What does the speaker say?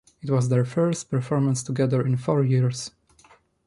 It was their first performance together in four years.